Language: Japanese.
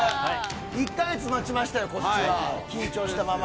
１か月待ちましたよ、こっちは、緊張したまま。